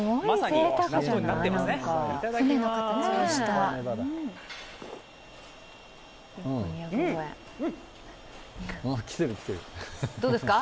すごいぜいたくじゃないなんか。